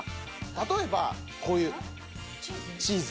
例えばこういうチーズ。